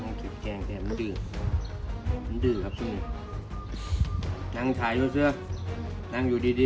นี่น่ะมันดื่มน่ะน่ะนึงนั่งฉายด้วยเชื่อนั่งอยู่ดีดี